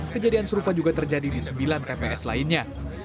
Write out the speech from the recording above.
kejadian serupa juga terjadi di sembilan tps lainnya